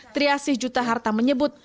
triasih juta harta menyebut